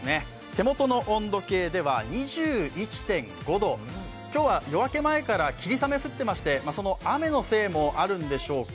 手元の温度計では２１．５度、今日は夜明け前から霧雨、降っていまして、その雨のせいもあるんでしょうか